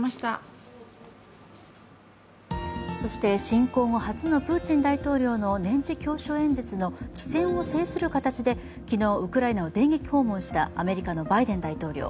侵攻後初のプーチン大統領の年次教書演説の機先を制する形で昨日、ウクライナを電撃訪問したアメリカのバイデン大統領。